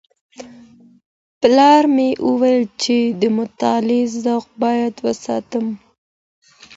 پلار مي وويل چي د مطالعې ذوق بايد وساتم.